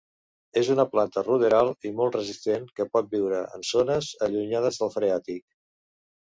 És una planta ruderal i molt resistent, que pot viure en zones allunyades del freàtic.